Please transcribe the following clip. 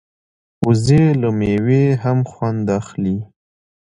وزې له مېوې هم خوند اخلي